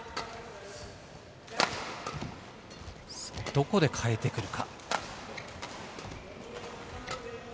どこで変えてくるか？